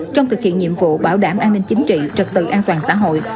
trong thực hiện nhiệm vụ bảo đảm an ninh chính trị trật tự an toàn xã hội